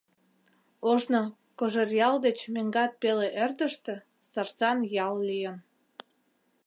Ожно Кожеръял деч меҥгат пеле ӧрдыжтӧ Сарсан ял лийын.